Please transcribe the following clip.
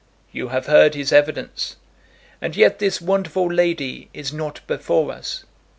You have heard his evidence, and yet this wonderful lady is not before us.